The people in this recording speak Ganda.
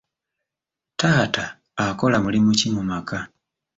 Taata akola mulimu ki mu maka?